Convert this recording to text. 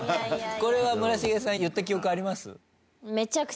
これは村重さん言った記憶あります？